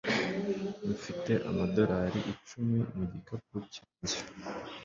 mfite amadorari icumi mu gikapu cyanjye